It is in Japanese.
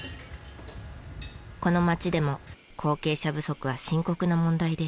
この町でも後継者不足は深刻な問題です。